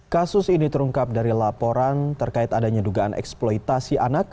kasus ini terungkap dari laporan terkait adanya dugaan eksploitasi anak